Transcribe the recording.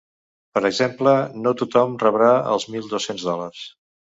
Per exemple, no tothom rebrà els mil dos-cents dòlars.